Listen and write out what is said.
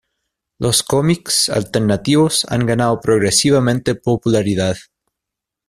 Los comics alternativos han ganado progresivamente popularidad.